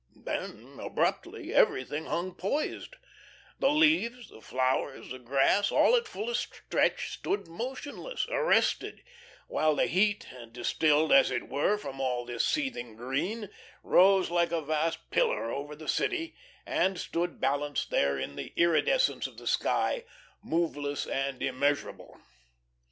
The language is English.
Then, abruptly, everything hung poised; the leaves, the flowers, the grass, all at fullest stretch, stood motionless, arrested, while the heat, distilled, as it were, from all this seething green, rose like a vast pillar over the city, and stood balanced there in the iridescence of the sky, moveless and immeasurable.